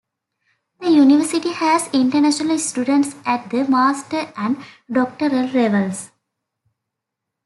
The university has international students at the masters and doctoral levels.